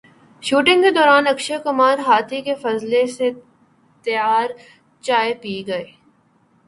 shooting کے دوران اکشے کمار ہاتھی کے فضلے سے تیار چائے پی گئے